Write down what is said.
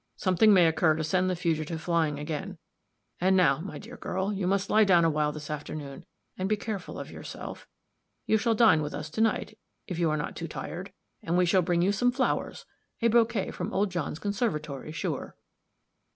Something may occur to send the fugitive flying again. And now, my dear little girl, you must lie down a while this afternoon, and be careful of yourself. You shall dine with us to night, if you are not too tired, and we shall bring you some flowers a bouquet from old John's conservatory, sure."